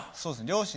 両親